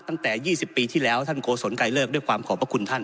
ตั้งแต่๒๐ปีที่แล้วท่านโกศลไกลเลิกด้วยความขอบพระคุณท่าน